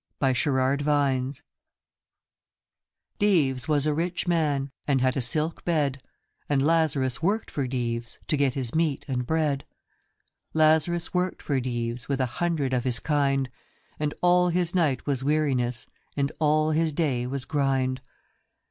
DIVES was a rich man And had a silk bed, And Lazarus worked for Dives To get his meat and bread. Lazarus worked for Dives With a hundred of his kind, And all his night was weariness, And all his day was grind.